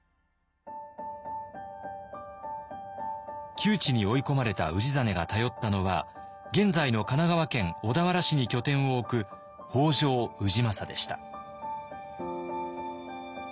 窮地に追い込まれた氏真が頼ったのは現在の神奈川県小田原市に拠点を置く北条氏政でした。